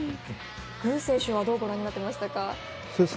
具選手はどうご覧になっていましたか。